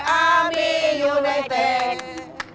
อัมมี่อยู่ในเต้น